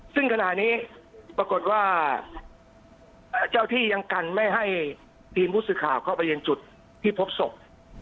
ซึ่งขณะนี้ปรากฏว่าเจ้าที่ยังกันไม่ให้ทีมผู้สื่อข่าวเข้าไปเย็นจุดที่พบศพ